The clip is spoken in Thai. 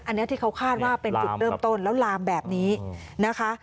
อันนี้ที่เขาคาดว่าเป็นจุดเริ่มต้นแล้วลามแบบนี้นะคะ